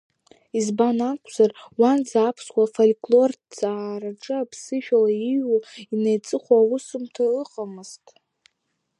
Избан акәзар уанӡа аԥсуа фольклорҭҵаараҿы аԥсышәала иҩу инеиҵыху аусумҭа ыҟамызт.